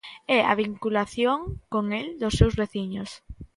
É a vinculación con el dos seus veciños.